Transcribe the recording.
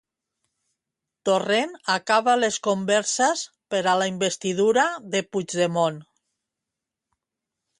Torrent acaba les converses per a la investidura de Puigdemont.